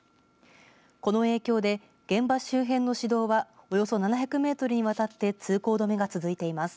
この影響で現場周辺の市道はおよそ７００メートルにわたって通行止めが続いています。